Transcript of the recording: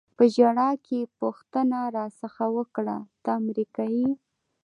په ژړا کې یې پوښتنه را څخه وکړه: ته امریکایي یې؟